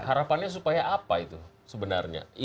harapannya supaya apa itu sebenarnya